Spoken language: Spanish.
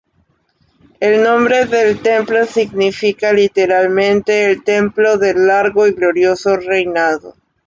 El nombre del templo significa literalmente el "templo del largo y glorioso reinado".